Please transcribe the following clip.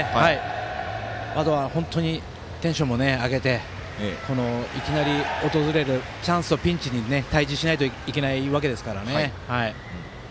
本当にテンションを上げていきなり訪れるピンチとチャンスに対じしなきゃいけないわけですからね。